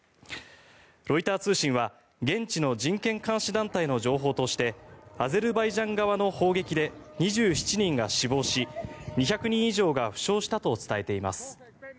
ロイター通信は現地の人権監視団体の情報としてアゼルバイジャン側の砲撃で２７人が死亡し２００人以上が負傷したと伝えています。